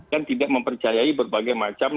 dan tidak mempercayai berbagai macam